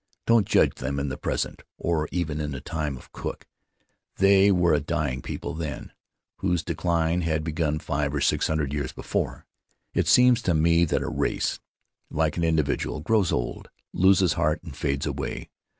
Don't judge them in the present, or even in the time of Cook; they were a dying people then, whose decline had begun five or six hundred years before. It seems to me that a race, like an individual, grows old, loses heart, and fades away.